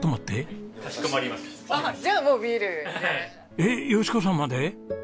えっ淑子さんまで？